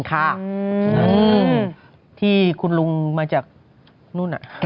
ที่คุณลุงมาจากนู่น